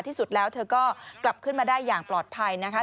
ที่สุดแล้วเธอก็กลับขึ้นมาได้อย่างปลอดภัยนะคะ